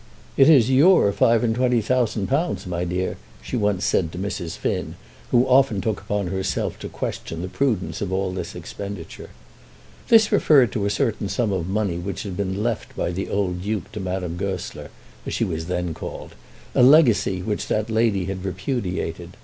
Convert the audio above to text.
"It is your five and twenty thousand pounds, my dear," she once said to Mrs. Finn, who often took upon herself to question the prudence of all this expenditure. This referred to a certain sum of money which had been left by the old Duke to Madame Goesler, as she was then called, a legacy which that lady had repudiated.